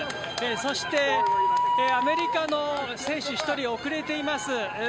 そして、アメリカの選手１人後れています。